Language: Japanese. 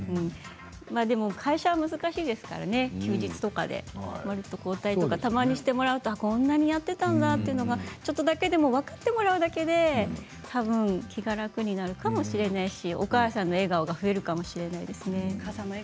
でも会社は難しいですからね休日とかでまるっと交代とか、たまにしてもらうと、こんなにやっていたんだというのがちょっとだけでも分かってもらうだけでたぶん気が楽になるかもしれないしお母さんの笑顔が増えるかもしれないですね。